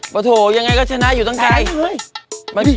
ปะโถยังไงก็ชนะอยู่ตั้งใจ